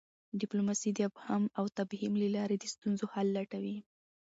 ډیپلوماسي د افهام او تفهیم له لاري د ستونزو حل لټوي.